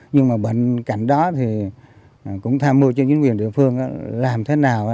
nhưng mà bên cạnh đó thì cũng tham mưu cho chính quyền địa phương làm thế nào